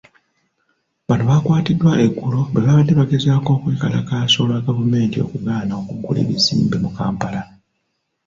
Bano baakwatiddwa eggulo bwebaabadde bagezaako okwekalakaasa olwa gavumenti okugaana okuggula ebizimbe mu Kampala.